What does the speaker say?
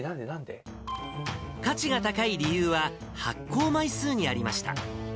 価値が高い理由は、発行枚数にありました。